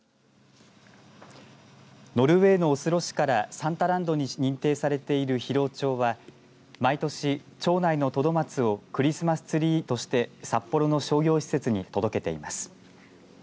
ノルウェーのオスロ市からサンタランドに認定されている広尾町は毎年、町内のトドマツをクリスマスツリーとして札幌の商業施設に届けています。